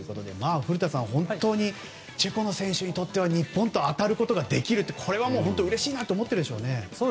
古田さん、本当にチェコの選手にとっては日本と当たることができるってうれしいと思っているでしょうね。